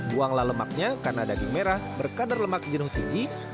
buanglah lemaknya karena daging merah berkadar lemak jenuh tinggi yang tidak dibutuhkan